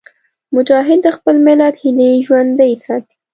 مجاهد د خپل ملت هیلې ژوندي ساتي.